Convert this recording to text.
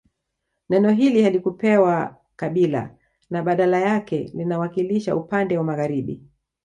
Neno hili halikupewa kabila na badala yake linawakilisha upande wa magharibi